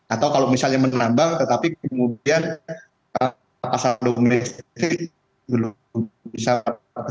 atau kalau misalnya menambang tetapi kemudian asal dominasi belum bisa terpasarkan